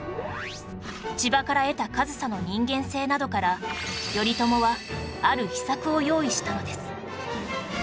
千葉から得た上総の人間性などから頼朝はある秘策を用意したのです